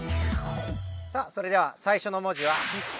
さあそれでは最初の文字は必殺！